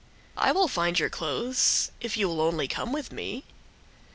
"I will find your clothes if you will only come with me."